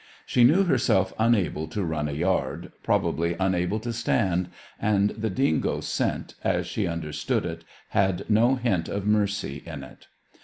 She knew herself unable to run a yard, probably unable to stand; and the dingo scent, as she understood it, had no hint of mercy in it.